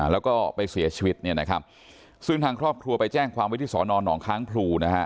แล้วก็ไปเสียชีวิตเนี่ยนะครับซึ่งทางครอบครัวไปแจ้งความไว้ที่สอนอนหนองค้างพลูนะฮะ